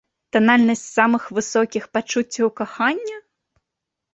Танальнасць самых высокіх пачуццяў кахання?